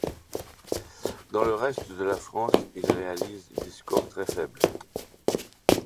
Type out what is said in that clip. Dans le reste de la France, il réalise des scores très faibles.